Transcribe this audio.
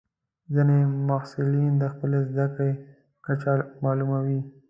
ځینې محصلین د خپلې زده کړې کچه معلوموي.